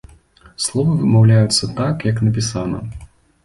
Словы вымаўляюцца так, як напісана.